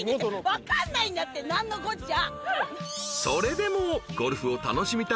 分かんないんだって何のこっちゃ。